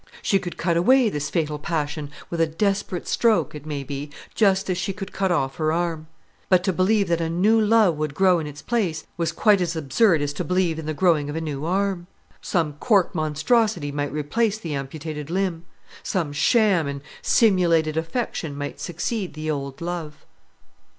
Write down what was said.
She could cut away this fatal passion with a desperate stroke, it may be, just as she could cut off her arm; but to believe that a new love would grow in its place was quite as absurd as to believe in the growing of a new arm. Some cork monstrosity might replace the amputated limb; some sham and simulated affection might succeed the old love.